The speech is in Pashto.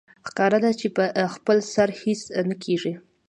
ښکاره ده چې په خپل سر هېڅ نه کېږي